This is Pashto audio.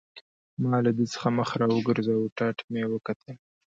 ما له ده څخه مخ را وګرځاوه، ټاټ مې وکتل.